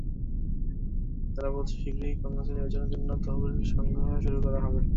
তারা বলছে, শিগগিরই কংগ্রেস নির্বাচনের জন্য তহবিল সংগ্রহ শুরু করা হবে।